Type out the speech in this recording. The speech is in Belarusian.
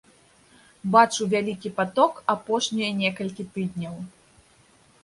Бачу вялікі паток апошнія некалькі тыдняў.